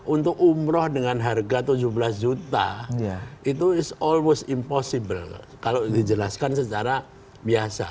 untuk umroh dengan harga tujuh belas juta itu is all wiss impossible kalau dijelaskan secara biasa